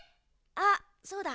あそうだ。